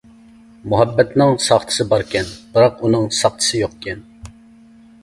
مۇھەببەتنىڭ ساختىسى باركەن، بىراق ئۇنىڭ ساقچىسى يوقكەن.